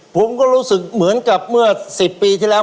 ผมก็รู้สึกเหมือนกับเมื่อ๑๐ปีที่แล้ว